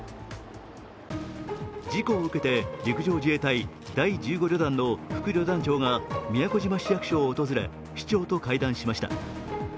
事故を受けて陸上自衛隊第１５旅団の副旅団長が宮古島市役所を訪れ市長と会談しました。